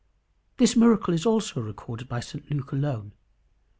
This miracle also is recorded by St Luke alone.